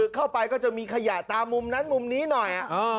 ก็จะมีขยะตามมุมนั้นมุมนี้หน่อย